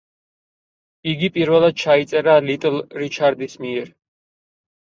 იგი პირველად ჩაიწერა ლიტლ რიჩარდის მიერ.